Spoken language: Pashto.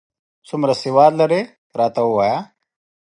څومره سواد لرې، راته ووایه ؟